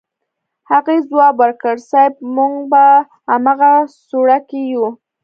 هغې ځواب ورکړ صيب موږ په امغه سوړه کې يو.